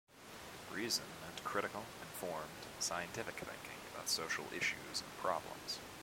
Reason meant critical, informed, scientific thinking about social issues and problems.